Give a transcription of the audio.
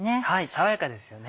爽やかですよね。